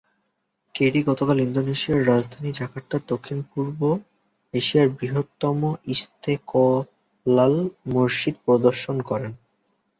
Kerry গতকাল ইন্দোনেশিয়ার রাজধানী জাকার্তায় দক্ষিণ-পূর্ব এশিয়ার বৃহত্তম ইশতেকলাল মসজিদ পরিদর্শন করেন।